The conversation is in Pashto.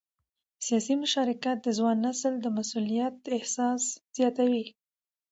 سیاسي مشارکت د ځوان نسل د مسؤلیت احساس زیاتوي